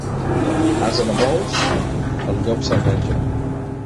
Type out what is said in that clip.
Ase de molts, el llop se'l menja.